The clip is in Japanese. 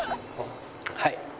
はい。